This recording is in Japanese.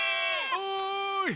おい！